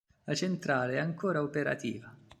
La centrale è ancora operativa.